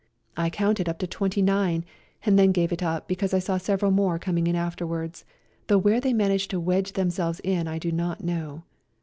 I counted up to twenty nine and then gave it up because I saw several more come in afterwards, though where they managed to wedge themselves in I do not know.